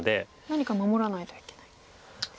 何か守らないといけないんですか。